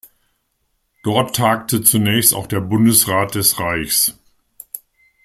Dort tagte zunächst auch der Bundesrat des Reichs.